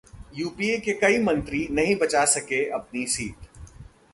UPA के कई मंत्री नहीं बचा सके अपनी सीट